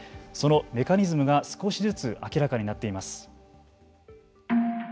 そのメカニズムが少しずつ明らかになっています。